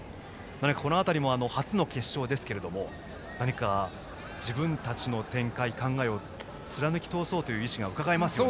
この辺りも初の決勝ですけれども自分たちの展開、考えを貫き通そうという意思を感じます。